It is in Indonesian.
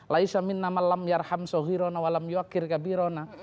laisa minna malam yarham sohirona walam yukir kabirona